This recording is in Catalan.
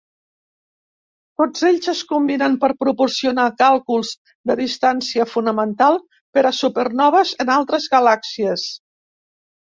Tots ells es combinen per proporcionar càlculs de distància fonamental per a supernoves en altres galàxies.